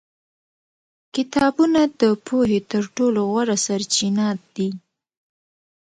کتابونه د پوهې تر ټولو غوره سرچینه دي.